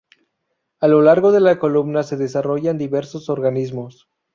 A lo largo de la columna se desarrollan diversos organismos.